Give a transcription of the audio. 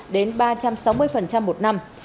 đến ba trăm sáu mươi một năm